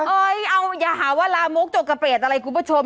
เอ้ยเอาอย่าหาว่าลามกจกกระเปรตอะไรคุณผู้ชม